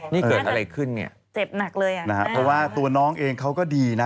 นี่เกิดอะไรขึ้นเนี่ยเจ็บหนักเลยอ่ะนะฮะเพราะว่าตัวน้องเองเขาก็ดีนะ